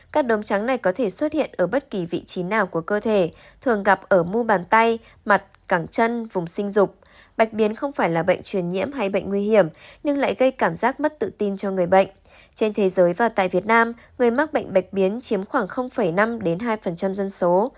các đốm trắng này có thể xuất hiện ở bất kỳ vị trí nào của cơ thể thường gặp ở mô bàn tay mặt cảng chân vùng sinh dục bạch biến không phải là bệnh truyền nhiễm hay bệnh nguy hiểm nhưng lại gây cảm giác mất tự tin cho người bệnh trên thế giới và tại việt nam người mắc bệnh bạch biến chiếm khoảng năm hai dân số